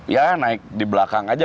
ya naik di belakang aja